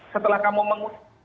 setelah kamu mengutuk